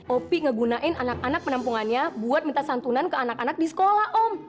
opi ngegunain anak anak penampungannya buat minta santunan ke anak anak di sekolah om